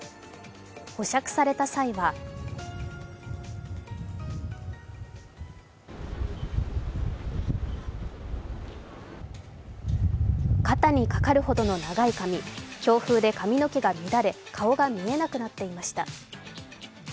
保釈された際は肩にかかるほどの長い髪強風で髪の毛が乱れ顔が見えなくなっていました。